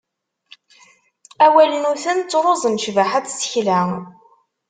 Awalnuten ttruẓen ccbaḥa n tsekla.